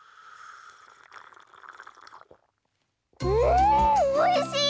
んおいしい！